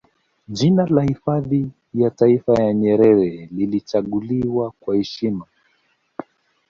Jina la Hifadhi ya Taifa ya Nyerere lilichaguliwa kwa heshima